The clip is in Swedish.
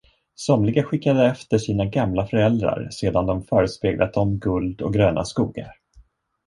Somliga skickade efter sina gamla föräldrar sedan de förespeglat dem guld och gröna skogar.